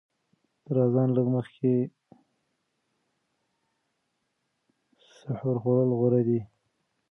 تر اذان لږ مخکې سحور خوړل غوره دي.